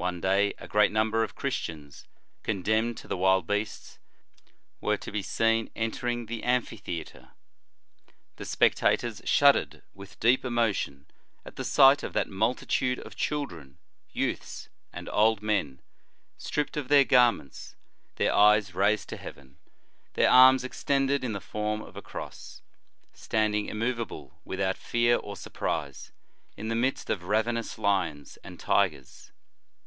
One day a great number of Christians, condemned to the wild beasts, were to be seen entering the amphitheatre. The spectators shuddered with deep emotion at the sight of that multitude of children, youths, and old men, stripped of their garments, their eyes raised to heaven, their arms extended in the form of a Cross, standing immovable, without fear or surprise, in the midst of ravenous lions and tigers.